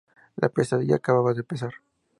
La pesadilla acababa de empezar.